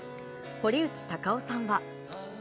堀内孝雄さんは。